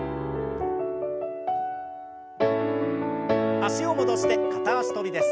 脚を戻して片脚跳びです。